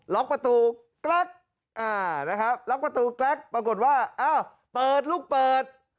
ล็อกประตูปรากฏว่าลูกเปิด